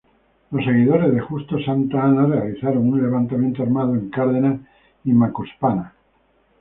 Los seguidores de Justo Santa Anna, realizaron un levantamiento armado en Cárdenas y Macuspana.